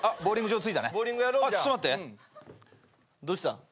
どうした？